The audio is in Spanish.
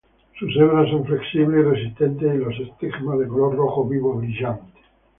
Sus hebras son flexibles y resistentes y los estigmas de color rojo vivo brillante.